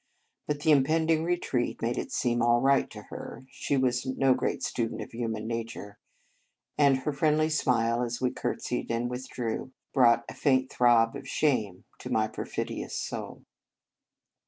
But the im pending retreat made it seem all right In Retreat to her (she was no great student of human nature), and her friendly smile, as we curtsied and withdrew, brought a faint throb of shame to my perfidious soul.